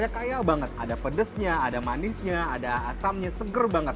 jadi rasanya kaya banget ada pedesnya ada manisnya ada asamnya seger banget